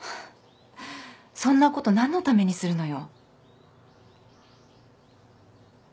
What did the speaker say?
そんなこと何のためにするのよ。